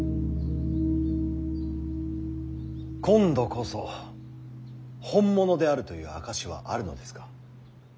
今度こそ本物であるという証しはあるのですか？